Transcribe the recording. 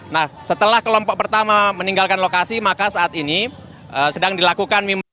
nah setelah kelompok pertama meninggalkan lokasi maka saat ini sedang dilakukan